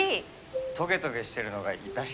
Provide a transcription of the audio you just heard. トゲトゲしてるのが痛い。